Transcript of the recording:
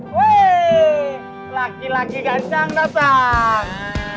wih laki laki gancang datang